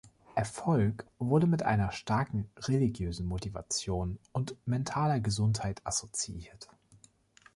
Erfolg wurde mit einer starken religiösen Motivation und mentaler Gesundheit assoziiert.